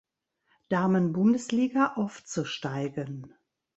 Damenbundesliga aufzusteigen.